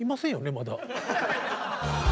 まだ。